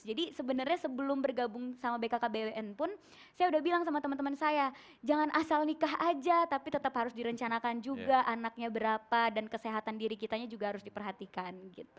jadi sebenarnya sebelum bergabung sama bkkbwn pun saya udah bilang sama temen temen saya jangan asal nikah aja tapi tetap harus direncanakan juga anaknya berapa dan kesehatan diri kitanya juga harus diperhatikan gitu